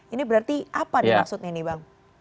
ini berarti apa maksudnya ini bang